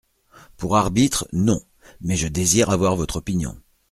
Pour arbitre, non ; mais je désire avoir votre opinion.